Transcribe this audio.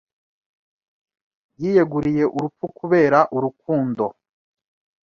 Yiyeguriye urupfu kubera urukundo